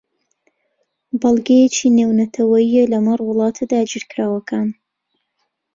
بەڵگەیەکی نێونەتەوەیییە لەمەڕ وڵاتە داگیرکراوەکان